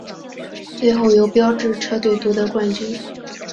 最后由标致车队夺得冠军。